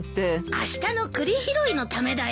あしたの栗拾いのためだよ。